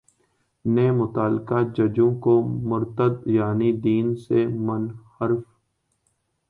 نے متعلقہ ججوں کو مرتد یعنی دین سے منحرف